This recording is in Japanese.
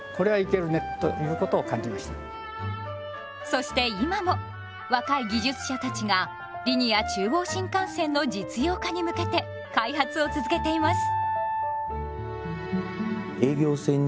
そして今も若い技術者たちがリニア中央新幹線の実用化に向けて開発を続けています。